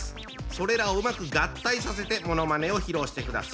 それらをうまく合体させてものまねを披露してください。